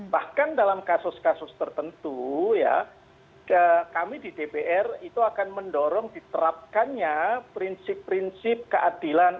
bahkan dalam kasus kasus tertentu ya kami di dpr itu akan mendorong diterapkannya prinsip prinsip keadilan